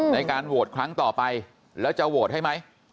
ในการโหวตครั้งต่อไปแล้วจะโหวตให้ไหม